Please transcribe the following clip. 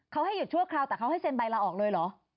เขาให้หยุดชั่วคราวแต่เขาให้เซ็นใบลาออกเลยเหรอ